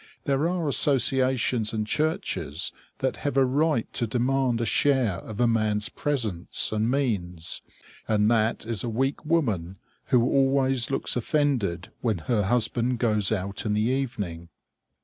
There are associations and churches that have a right to demand a share of a man's presence and means, and that is a weak woman who always looks offended when her husband goes out in the evening.